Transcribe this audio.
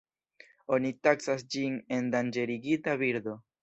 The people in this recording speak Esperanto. Oni taksas ĝin endanĝerigita birdo.